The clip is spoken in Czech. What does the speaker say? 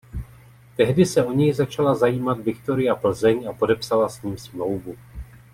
Tehdy se o něj začala zajímat Viktoria Plzeň a podepsala s ním smlouvu.